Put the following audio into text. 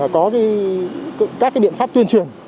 có các biện pháp tuyên truyền